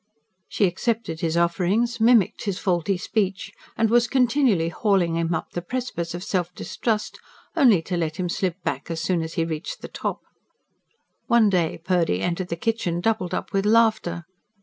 She accepted his offerings, mimicked his faulty speech, and was continually hauling him up the precipice of self distrust, only to let him slip back as soon as he reached the top. One day Purdy entered the kitchen doubled up with laughter.